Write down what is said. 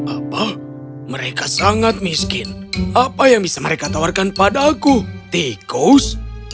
apa mereka sangat miskin apa yang bisa mereka tawarkan pada aku tikus